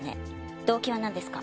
動機はなんですか？